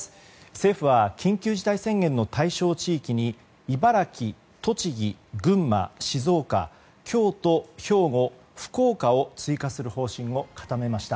政府は緊急事態宣言の対象地域に茨城、栃木、群馬、静岡京都、兵庫、福岡を追加する方針を固めました。